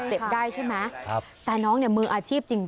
เจ็บได้ใช่ไหมแต่น้องมืออาชีพจริง